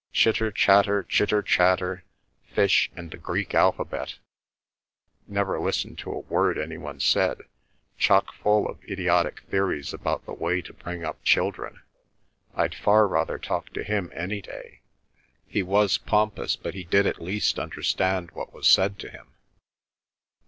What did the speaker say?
Chitter chatter chitter chatter—fish and the Greek alphabet—never listened to a word any one said—chock full of idiotic theories about the way to bring up children—I'd far rather talk to him any day. He was pompous, but he did at least understand what was said to him."